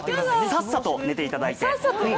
さっさと寝ていただいて。